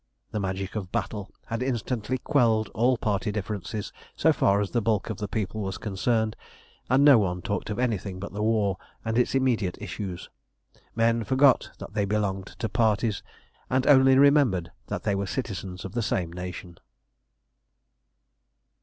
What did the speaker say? The magic of battle had instantly quelled all party differences so far as the bulk of the people was concerned, and no one talked of anything but the war and its immediate issues. Men forgot that they belonged to parties, and only remembered that they were citizens of the same nation.